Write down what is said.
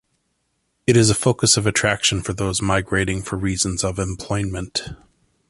It is a focus of attraction for those migrating for reasons of employment.